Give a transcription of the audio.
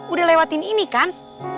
udah lewatin ini kan